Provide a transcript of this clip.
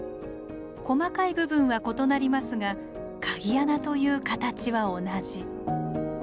細かい部分は異なりますが鍵穴という形は同じ。